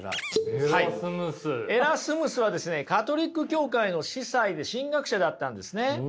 エラスムスはカトリック教会の司祭で神学者だったんですね。